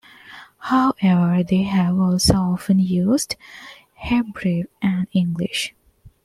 However, they have also often used Hebrew and English.